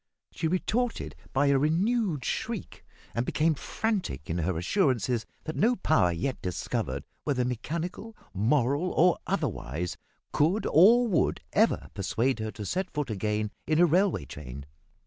She retorted by a renewed shriek, and became frantic in her assurances that no power yet discovered whether mechanical, moral, or otherwise could or would, ever persuade her to set foot again in a railway train!